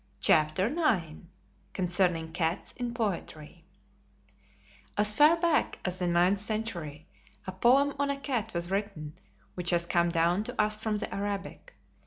CHAPTER IX CONCERNING CATS IN POETRY As far back as the ninth century, a poem on a cat was written, which has come down to us from the Arabic.